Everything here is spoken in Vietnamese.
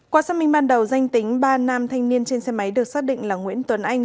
qua xác minh ban đầu danh tính ba nam thanh niên trên xe máy được xác định là nguyễn tuấn anh